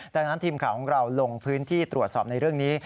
ดังนั้นทีมข่าวของเราลงพื้นที่ตรวจสอบในเรื่องนี้